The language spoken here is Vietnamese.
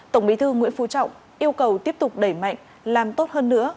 tổng bí thư nguyễn phú trọng yêu cầu tiếp tục đẩy mạnh làm tốt hơn nữa